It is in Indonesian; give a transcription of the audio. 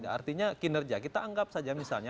artinya kinerja kita anggap saja misalnya